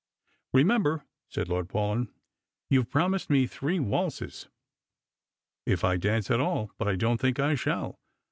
" Eemember," said Lord Paulyn, " you've promised me threo waltzes." " If I dance at all; but I don't think I shall.''